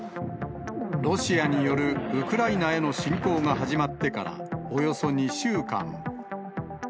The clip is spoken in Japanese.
ロシアによるウクライナへの侵攻が始まってからおよそ２週間。